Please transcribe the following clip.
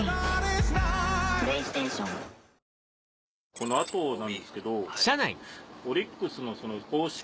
この後なんですけど。えっ。